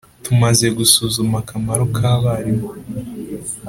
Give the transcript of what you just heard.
Tumaze gusuzuma akamaro k ‘abarimu.